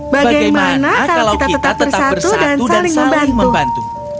bagaimana kalau kita tetap bersatu dan saling membantu